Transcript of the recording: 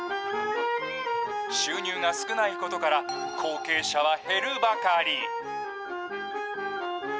収入が少ないことから、後継者は減るばかり。